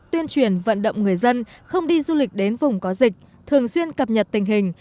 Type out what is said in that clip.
tuyên truyền vận động người dân không đi du lịch đến vùng có dịch thường xuyên cập nhật tình hình